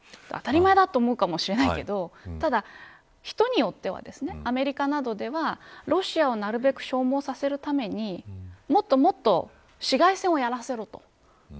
当たり前だと思うかもしれないけどただ、人によってはアメリカなどではロシアをなるべく消耗させるためにもっともっと市街戦をやらせろと。